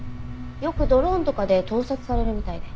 よくドローンとかで盗撮されるみたいで。